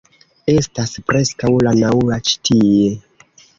Estas preskaŭ la naŭa ĉi tie